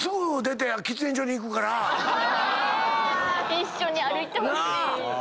一緒に歩いてほしい。